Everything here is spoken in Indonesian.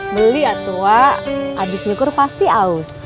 beli atuh wak abis nyukur pasti aus